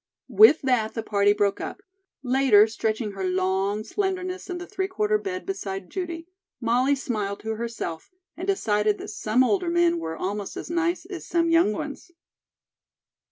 With that the party broke up. Later, stretching her long slenderness in the three quarter bed beside Judy, Molly smiled to herself, and decided that some older men were almost as nice as some young ones.